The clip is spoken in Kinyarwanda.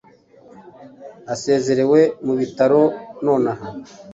asezerewe mu bitaro nonaha